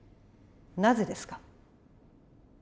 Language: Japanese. なぜですか？